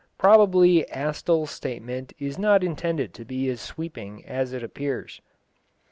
Probably Astle's statement is not intended to be as sweeping as it appears.